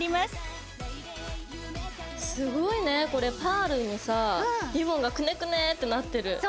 すごいねこれパールにさリボンがクネクネーってなってる。